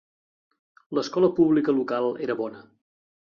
L'escola pública local era bona.